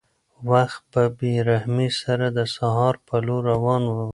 وخت په بې رحمۍ سره د سهار په لور روان و.